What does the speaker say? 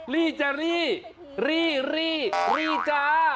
ลี่เจอรี่รี่รี่รี่จ้า